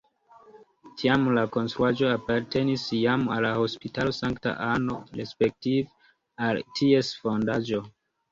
Tiam la konstruaĵo apartenis jam al la Hospitalo Sankta Anno respektive al ties fondaĵo.